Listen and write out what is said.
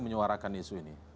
menyuarakan isu ini